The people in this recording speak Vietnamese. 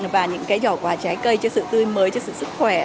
và những cái giỏ quà trái cây cho sự tươi mới cho sự sức khỏe